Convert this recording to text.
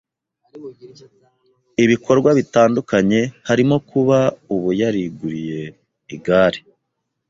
ibikorwa bitandukanye harimo kuba ubu yariguriye igare